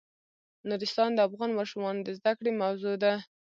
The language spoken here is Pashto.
نورستان د افغان ماشومانو د زده کړې موضوع ده.